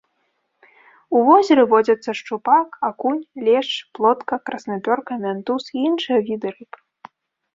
У возеры водзяцца шчупак, акунь, лешч, плотка, краснапёрка, мянтуз і іншыя віды рыб.